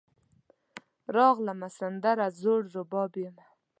راغلمه , سندره زوړرباب یمه